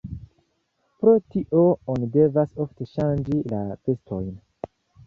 Pro tio oni devas ofte ŝanĝi la vestojn.